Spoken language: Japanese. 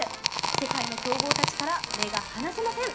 世界の強豪たちから目が離せません。